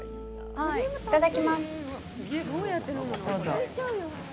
いただきます。